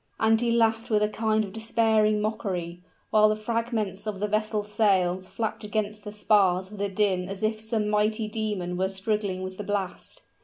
and he laughed with a kind of despairing mockery, while the fragments of the vessel's sails flapped against the spars with a din as if some mighty demon were struggling with the blast.